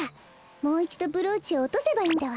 もういちどブローチをおとせばいいんだわ。